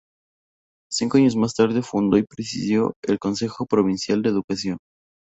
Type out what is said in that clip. Cinco años más tarde, fundó y presidió el Consejo Provincial de Educación.